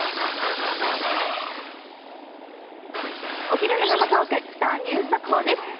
お昼の生トークスター☆ニュース速報です。